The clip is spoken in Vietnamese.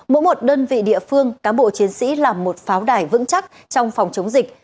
mỗi một đơn vị địa phương cán bộ chiến sĩ làm một pháo đài vững chắc trong phòng chống dịch